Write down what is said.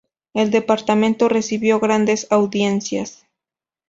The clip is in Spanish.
El departamento recibió grandes audiencias.